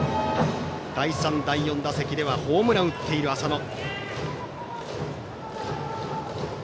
第３、第４打席ではホームランを打っている浅野。